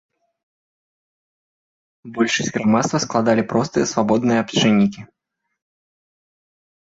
Большасць грамадства складалі простыя свабодныя абшчыннікі.